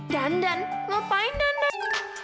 dandan ngapain dandan